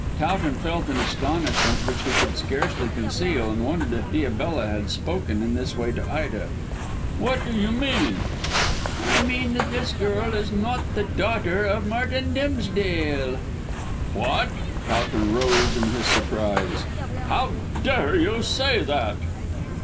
Towton felt an astonishment which he could scarcely conceal, and wondered if Diabella had spoken in this way to Ida. "What do you mean?" "I mean that this girl is not the daughter of Martin Dimsdale." "What!" Towton rose in his surprise; "How dare you say that?"